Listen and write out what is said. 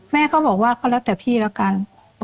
แม่ก็บอกว่าก็แล้วแต่พี่แล้วกัน